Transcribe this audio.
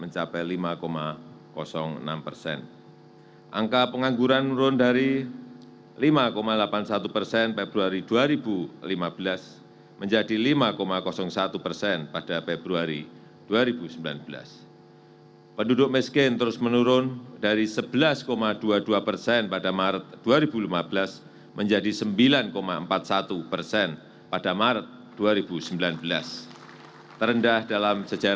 yang saya hormati bapak haji muhammad yudhkala